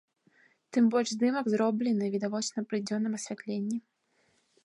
Тым больш здымак зроблены, відавочна, пры дзённым асвятленні.